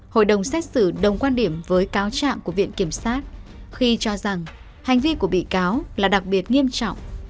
hội đồng xét xử đồng quan điểm với cáo trạng của viện kiểm sát khi cho rằng hành vi của bị cáo là đặc biệt nghiêm trọng